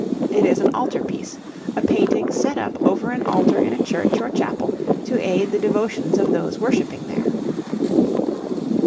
It is an altar piece a painting set up over an altar in a church or chapel to aid the devotions of those worshipping there.